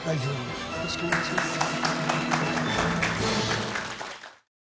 よろしくお願いします。